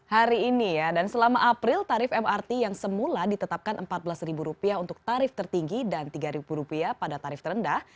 hari ini ya dan selama april tarif mrt yang semula ditetapkan rp empat belas untuk tarif tertinggi dan rp tiga pada tarif terendah